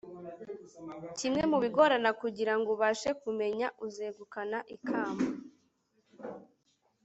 kimwe mu bigorana kugira ngo ubashe kumenya uzegukana ikamba.